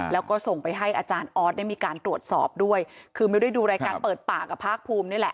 แล้วก็ส่งไปให้อาจารย์ออสได้มีการตรวจสอบด้วยคือไม่ได้ดูรายการเปิดปากกับภาคภูมินี่แหละ